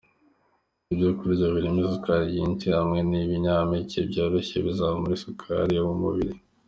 Ibyo kurya birimo isukari nyinshi hamwe n’ibinyampeke byoroheje bizamura isukari yo mu mubiri.